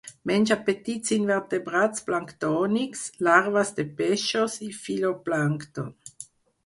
Menja petits invertebrats planctònics, larves de peixos i fitoplàncton.